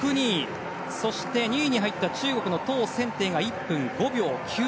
そして、２位に入った中国のトウ・センテイが１分５秒９７。